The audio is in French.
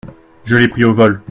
Je l’ai pris au vol.